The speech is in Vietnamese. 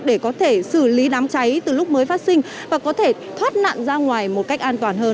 để có thể xử lý đám cháy từ lúc mới phát sinh và có thể thoát nạn ra ngoài một cách an toàn hơn